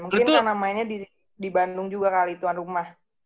mungkin karena mainnya di bandung juga kali tuan rumah